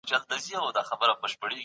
هر سياسي ګوند بايد روښانه کاري پلان ولري.